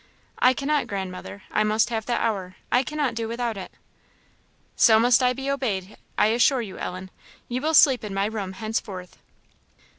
"I cannot, Grandmother; I must have that hour; I cannot do without it." "So must I be obeyed, I assure you, Ellen. You will sleep in my room henceforth."